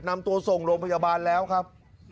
นำตัวส่งโรงพยาบาลแล้วครับ